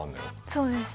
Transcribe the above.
そうですね。